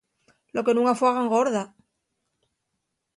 Lo que nun afuega engorda.